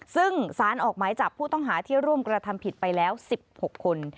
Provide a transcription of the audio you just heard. ซึ่งสารออกหมายจับผู้ต้องหาที่ร่วมกระทำผิดไปแล้ว๑๖คน